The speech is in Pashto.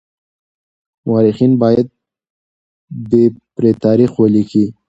مورخين بايد بې پرې تاريخ وليکي.